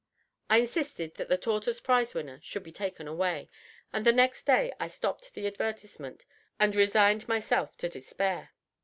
I insisted that the tortoise prize winner should be taken away, and the next day I stopped the advertisement and resigned myself to despair.